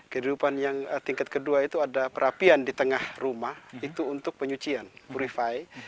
kehidupan yang tingkat kedua itu ada perapian di tengah rumah itu untuk penyucian purifi